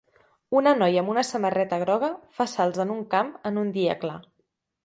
Una noia amb una samarreta groga fa salts en un camp en un dia clar.